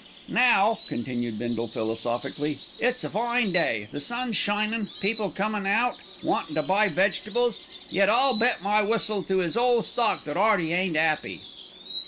"Now," continued Bindle philosophically, "it's a fine day, the sun's shinin', people comin' out, wantin' to buy vegetables; yet I'll bet my whistle to 'is whole stock that 'Earty ain't 'appy."